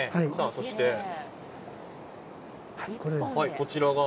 そして、こちらが？